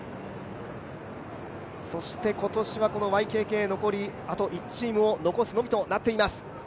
そして今年はＹＫＫ残りあと１チームを残すのみとなっています。